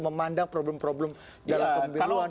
memandang problem problem dalam pemiluan